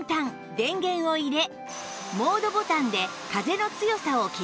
電源を入れモードボタンで風の強さを切り替えます